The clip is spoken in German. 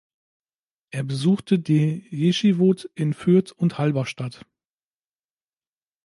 Er besuchte die Jeschiwot in Fürth und Halberstadt.